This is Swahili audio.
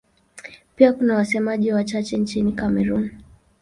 Pia kuna wasemaji wachache nchini Kamerun.